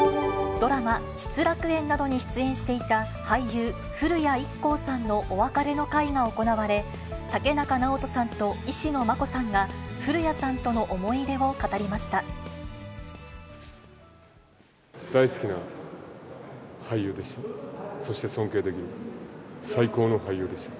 ドラマ、失楽園などに出演していた俳優、古谷一行さんのお別れの会が行われ、竹中直人さんと石野真子さんが、古谷さんとの思い出を語りました。